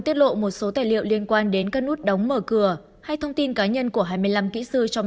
tiết lộ một số tài liệu liên quan đến các nút đóng mở cửa hay thông tin cá nhân của hai mươi năm kỹ sư trong